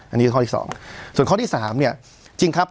อันนี้คือข้อที่สองส่วนข้อที่สามเนี่ยจริงครับ